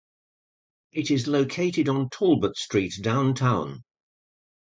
It is located on Talbot Street downtown.